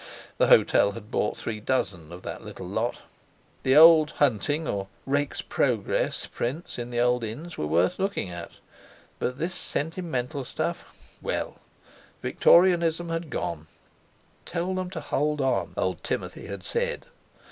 The hotel had bought three dozen of that little lot! The old hunting or "Rake's Progress" prints in the old inns were worth looking at—but this sentimental stuff—well, Victorianism had gone! "Tell them to hold on!" old Timothy had said.